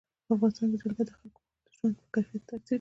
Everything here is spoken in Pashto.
په افغانستان کې جلګه د خلکو د ژوند په کیفیت تاثیر کوي.